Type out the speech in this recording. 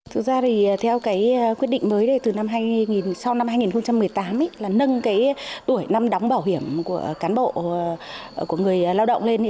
thực ra thì theo cái quyết định mới sau năm hai nghìn một mươi tám là nâng cái tuổi năm đóng bảo hiểm của cán bộ của người lao động lên